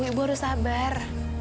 ibu harus sabar